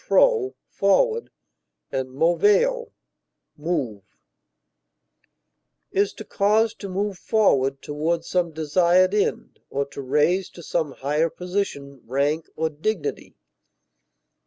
pro, forward, and moveo, move) is to cause to move forward toward some desired end or to raise to some higher position, rank, or dignity.